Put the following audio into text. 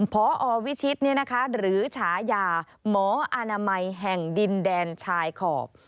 พอวิชิตหรือฉายาหมออนามัยแห่งดินแดนชายขอบ